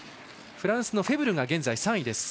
フランスのフェブルが現在３位。